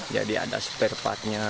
jadi ada spare partnya